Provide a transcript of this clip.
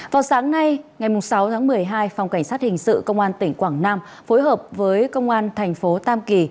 vào sáng nay ngày sáu tháng một mươi hai phòng cảnh sát hình sự công an tỉnh quảng nam phối hợp với công an thành phố tam kỳ